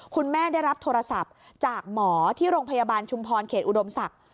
ได้รับโทรศัพท์จากหมอที่โรงพยาบาลชุมพรเขตอุดมศักดิ์